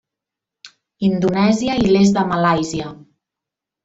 Indonèsia i l'est de Malàisia.